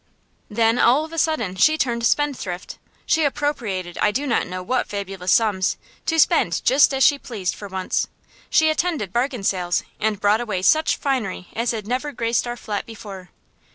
Then all of a sudden she turned spendthrift. She appropriated I do not know what fabulous sums, to spend just as she pleased, for once. She attended bargain sales, and brought away such finery as had never graced our flat before.